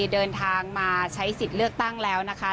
เดินทางมาใช้สิทธิ์เลือกตั้งแล้วนะคะ